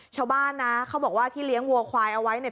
ชาวบ้านนะเขาบอกว่าที่เลี้ยงวัวควายเอาไว้เนี่ย